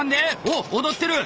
お踊ってる！